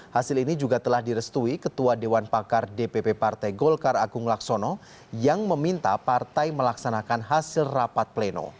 hasil ini juga telah direstui ketua dewan pakar dpp partai golkar agung laksono yang meminta partai melaksanakan hasil rapat pleno